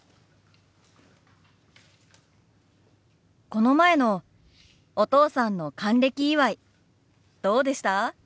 この前のお父さんの還暦祝どうでした？